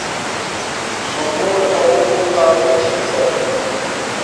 سُکول لنا اُو بوت قابل چھس سکا